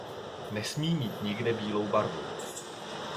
Nesmí mít nikde bílou barvu.